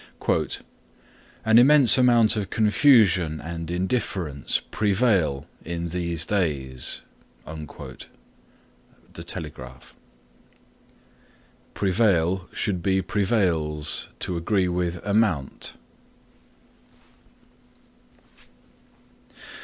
(4) "An immense amount of confusion and indifference prevail in these days." Telegraph. (Should be prevails to agree with amount.)